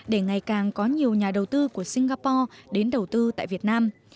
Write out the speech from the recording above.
để ngày càng có nhiều nhà đầu tư của singapore đến đầu tư tại việt nam